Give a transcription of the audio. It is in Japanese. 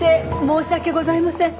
申し訳ございません。